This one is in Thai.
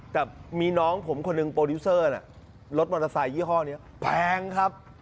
แต่มีน้องผมคนหนึ่งโปรดิวเซอร์รถมอเตอร์ไซคยี่ห้อนี้แพงครับ